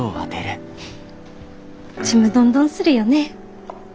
ちむどんどんするよね。